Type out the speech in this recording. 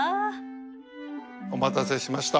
お待たせしました。